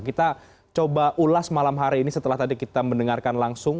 kita coba ulas malam hari ini setelah tadi kita mendengarkan langsung